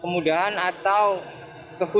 kemudahan atau kekhususan yang bisa diberikan